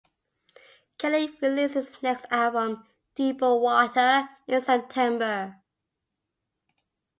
Kelly released his next album, "Deeper Water" in September.